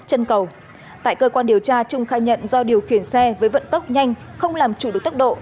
chân cầu tại cơ quan điều tra trung khai nhận do điều khiển xe với vận tốc nhanh không làm chủ được tốc độ